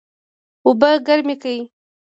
اوبه ګرمې کړئ